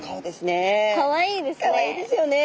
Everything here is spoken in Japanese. かわいいですね。